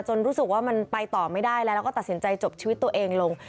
รู้สึกว่ามันไปต่อไม่ได้แล้วแล้วก็ตัดสินใจจบชีวิตตัวเองลง